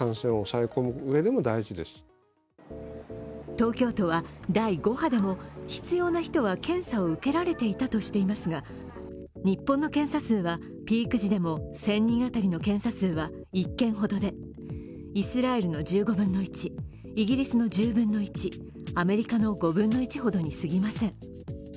東京都は、第５波でも必要な人は検査を受けられていたとしていますが日本の検査数はピーク時でも１０００人当たりの検査数は１件ほどでイスラエルの１５分の１イギリスの１０分の１アメリカの５分の１ほどにすぎません。